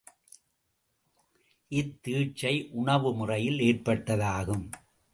இத்தீட்சை உணவு முறையில் ஏற்பட்டதாகும்.